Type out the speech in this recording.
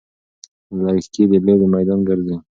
لږکي د لوبې میدان ګرځي.